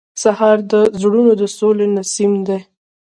سهار د زړونو د سولې نسیم دی.